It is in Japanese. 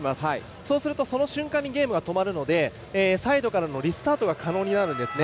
そうすると、その瞬間にゲームは止まるのでサイドからのリスタートが可能になるんですね。